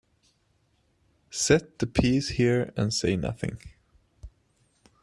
Set the piece here and say nothing.